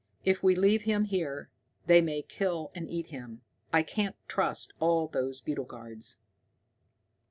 If we leave him here they may kill and eat him. I can't trust all those beetle guards."